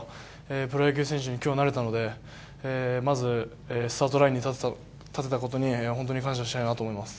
プロ野球選手に今日なれたのでまずスタートラインに立てたことに本当に感謝したいなと思います。